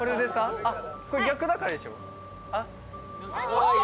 これ逆だからでしょ？